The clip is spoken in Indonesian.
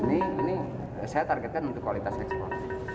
ini saya targetkan untuk kualitas ekspor